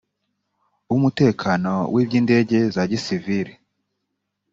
w umutekano w iby indege za gisivili